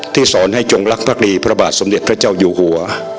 สอนให้จงรักภักดีพระบาทสมเด็จพระเจ้าอยู่หัว